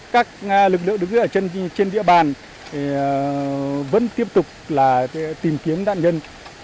các lực lượng đứng trên địa bàn vẫn tiếp tục tìm kiếm nạn nhân